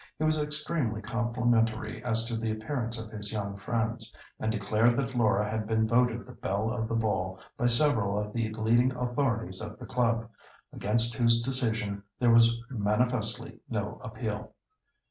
He was extremely complimentary as to the appearance of his young friends, and declared that Laura had been voted the belle of the ball by several of the leading authorities of the club, against whose decision there was manifestly no appeal.